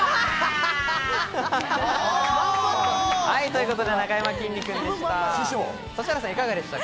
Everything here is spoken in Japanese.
ということで、なかやまきんに君でした。